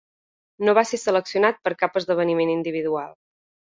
No va ser seleccionat per cap esdeveniment individual.